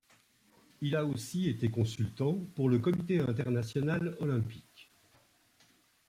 Il a aussi été consultant pour le Comité international olympique.